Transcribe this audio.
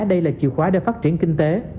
đây là chìa khóa để phát triển kinh tế